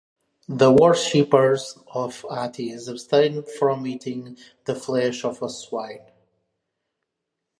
The worshippers of Attis abstained from eating the flesh of swine.